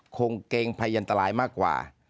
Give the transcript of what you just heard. คงเกรงพยันตรายมากกว่า